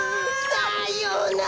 さようなら！